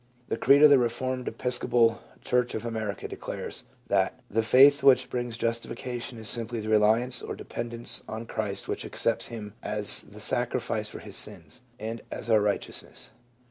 The creed of the Eeformed Episcopal Church of America declares that "the faith which brings justification is simply the reliance or dependence on Christ which accepts him as the sacrifice for his sins, and as our righteousness."